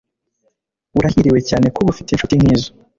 Urahiriwe cyane kuba ufite inshuti nkizo